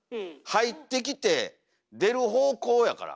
入ってきて出る方向やから。